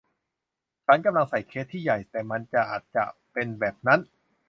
ฉันกำลังใส่เคสที่ใหญ่ แต่มันอาจจะเป็นแบบนั้น